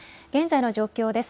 現在の状況です。